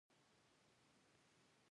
آیا وچکالي هلته یوه لویه ستونزه نه ده؟